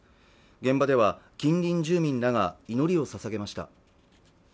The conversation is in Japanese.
現場では近隣住民らが祈りをささげました